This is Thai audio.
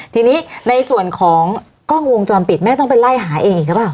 ทีนี้ในส่วนของกล้องวงจรปิดแม่ต้องไปไล่หาเองอีกหรือเปล่า